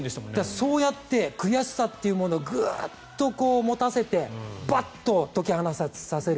そうやって悔しさというものをグーッと持たせてバッと解き放たせる。